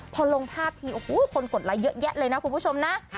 พอลงภาพทีโอ้โหคนกดไลค์เยอะแยะเลยนะคุณผู้ชมนะ